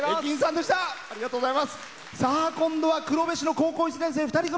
今度は黒部市の高校１年生２人組。